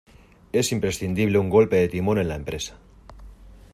Es imprescindible un golpe de timón en la empresa.